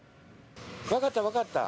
分かった、分かった。